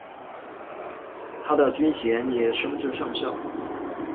他的军衔也升至上校。